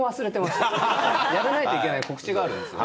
やらないといけない告知があるんですよ。